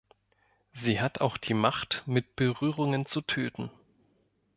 Sie hat auch die Macht, mit Berührungen zu töten.